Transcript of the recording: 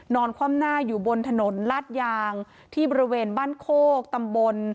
คว่ำหน้าอยู่บนถนนลาดยางที่บริเวณบ้านโคกตำบล